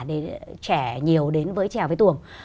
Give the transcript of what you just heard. để trẻ nhiều đến với trèo với tuồng